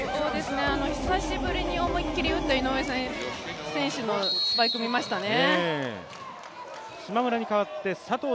久しぶりに思いっきり打った井上選手のスパイクを見ましたね。